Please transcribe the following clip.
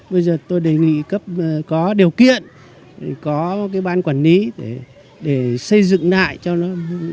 bây giờ tôi đề nghị có điều kiện có ban quản lý để xây dựng lại cho nó